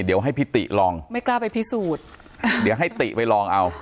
เดี๋ยวให้พิติลองไม่กล้าไปพิสูจน์เดี๋ยวให้ติไปลองเอา